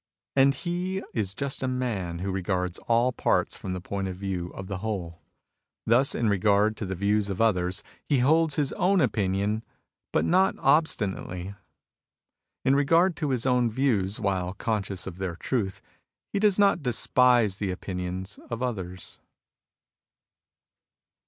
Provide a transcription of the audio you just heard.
And he is a just man who regards all parts from the point of view of the whole. Thus, in regard to the views of others, he holds his own opinion, but not obstinately. In regard to his own views, while conscious of their truth, he does not despise the opinions of others."